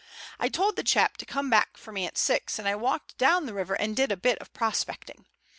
I told the chap to come back for me at six, and I walked down the river and did a bit of prospecting.